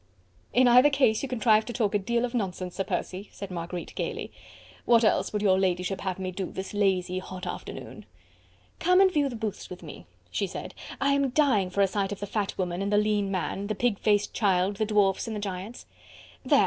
"In either case you contrive to talk a deal of nonsense, Sir Percy," said Marguerite gaily. "What else would your ladyship have me do this lazy, hot afternoon?" "Come and view the booths with me," she said. "I am dying for a sight of the fat woman and the lean man, the pig faced child, the dwarfs and the giants. There!